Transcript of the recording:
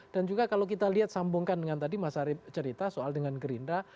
dan juga kalau kita lihat sambungkan dengan tadi mas ari cerita soal dengan gerindra